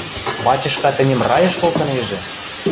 Бачышка тӹньӹм райыш колтынежӹ!